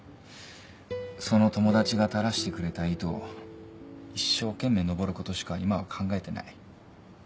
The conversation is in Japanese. その友達が垂らしてくれた糸を一生懸命上ることしか今は考えてない。